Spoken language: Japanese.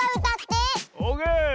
オーケー！